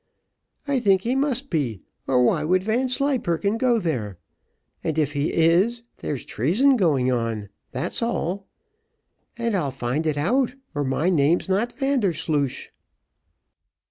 I think he must be, or why would Vanslyperken go there? and if he is, there's treason going on that's all! and I'll find it out, or my name is not Vandersloosh."